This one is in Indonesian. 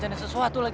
jangan cepet jang